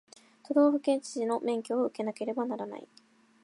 都道府県知事の免許を受けなければならない